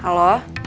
tapi buat kerja